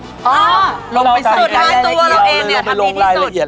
อ๋อลงไปสุดลงไปสุดลงไปรายละเอียด